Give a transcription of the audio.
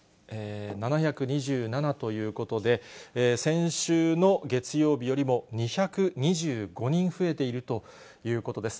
７２７ということで、先週の月曜日よりも、２２５人増えているということです。